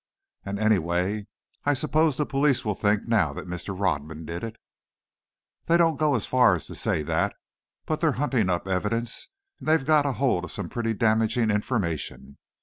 "And, anyway, I suppose the police think now that Mr. Rodman did it." "They don't go so far as to say that, but they're hunting up evidence, and they've got hold of some pretty damaging information.